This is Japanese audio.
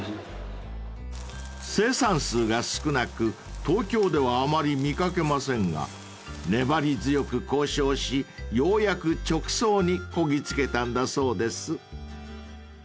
［生産数が少なく東京ではあまり見掛けませんが粘り強く交渉しようやく直送にこぎ着けたんだそうです］